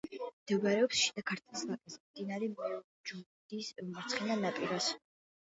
მდებარეობს შიდა ქართლის ვაკეზე, მდინარე მეჯუდის მარცხენა ნაპირას.